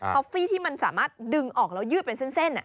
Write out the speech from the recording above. ท็อปฟี่ที่มันสามารถดึงออกแล้วยืดเป็นเส้นนั้นอ่ะ